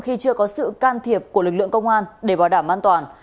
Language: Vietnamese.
khi chưa có sự can thiệp của lực lượng công an để bảo đảm an toàn